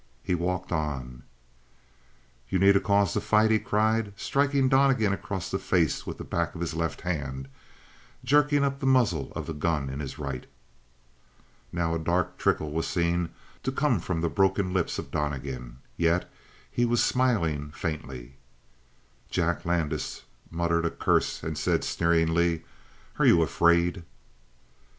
He walked on. "You need cause to fight?" he cried, striking Donnegan across the face with the back of his left hand, jerking up the muzzle of the gun in his right. Now a dark trickle was seen to come from the broken lips of Donnegan, yet he was smiling faintly. Jack Landis muttered a curse and said sneeringly: "Are you afraid?"